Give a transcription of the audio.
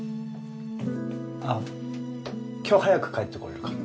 あっ今日早く帰ってこられるかも。